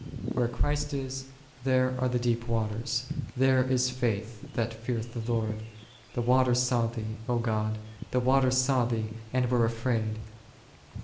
Where Christ is, there are the deep waters, there is faith that feareth the Lord ; the waters saw Thee, God, the waters saw Thee, and were afraid h .